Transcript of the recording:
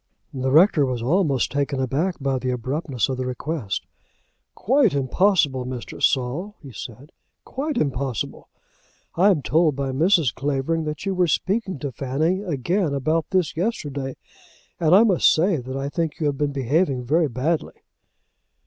The rector was almost taken aback by the abruptness of the request. "Quite impossible, Mr. Saul," he said "quite impossible. I am told by Mrs. Clavering that you were speaking to Fanny again about this yesterday, and I must say, that I think you have been behaving very badly."